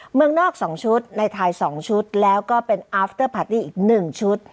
เมืองนอก๒ชุดในไทย๒ชุดแล้วก็เป็นอาฟเตอร์พาดดี้อีก๑ชุด